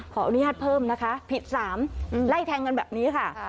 ขออนุญาตเพิ่มนะคะผิด๓ไล่แทงกันแบบนี้ค่ะ